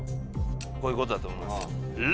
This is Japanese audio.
こういうことだと思いますよＬＯＣＫ！